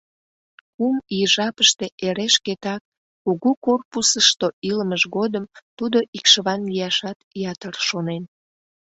Кум ий жапыште эре шкетак кугу корпусышто илымыж годым тудо икшыван лияшат ятыр шонен.